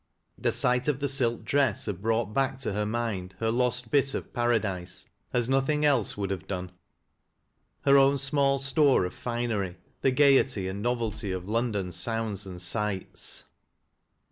The sight of the silk dress had brought back to her mind her lost bit of paradise as nothing else would have done — her own small store of finery, the gayety and novelty of London sounds and sights.